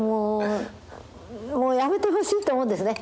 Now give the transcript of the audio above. もうやめてほしいと思うんですね。